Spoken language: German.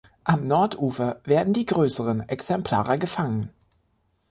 Am Nordufer werden die größeren Exemplare gefangen.